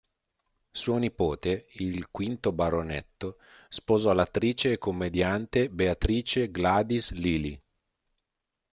Suo nipote, il V baronetto, sposò l'attrice e commediante Beatrice Gladys Lillie.